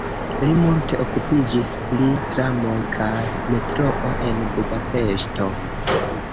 Li multe okupiĝis pri tramoj kaj metroo en Budapeŝto.